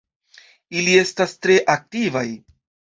Ili estas tre aktivaj.